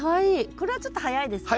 これはちょっと早いですか？